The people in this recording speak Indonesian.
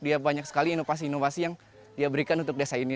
dia banyak sekali inovasi inovasi yang dia berikan untuk desa ini